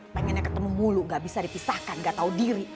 pengennya ketemu mulu gak bisa dipisahkan gak tau diri